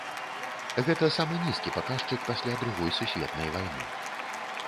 Гэта самы нізкі паказчык пасля другой сусветнай вайны.